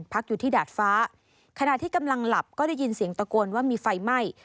พักอยู่ที่ดาดฟ้าขณะที่กำลังหลับก็ได้ยินเสียงตะโกนว่ามีไฟไหม้